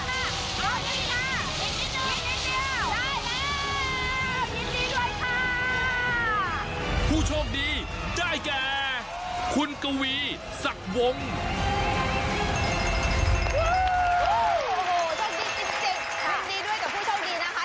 โอ้โหโชคดีจริงยินดีด้วยกับผู้โชคดีนะคะ